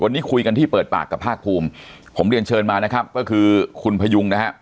วันนี้คุยกันที่เปิดปากกับภาคภูมิผมเรียนเชิญมานะครับก็คือคุณพยุงนะฮะ